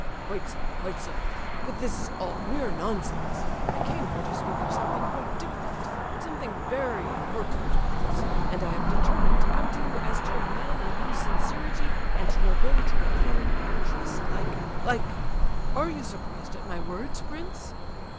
"Quite so—quite so! But this is all mere nonsense. I came here to speak of something quite different, something very important, prince. And I have determined to come to you as to a man in whose sincerity and nobility of feeling I can trust like—like—are you surprised at my words, prince?"